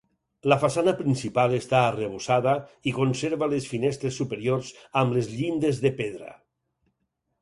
La façana principal està arrebossada i conserva les finestres superiors amb les llindes de pedra.